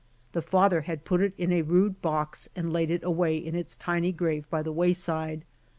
The father had put it in a rude box and laid it away in its tiny grave by the wayside.